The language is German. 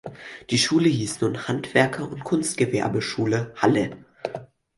Die Schule hieß nun "Handwerker- und Kunstgewerbeschule Halle".